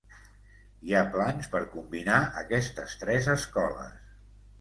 Hi ha plans per combinar aquestes tres escoles.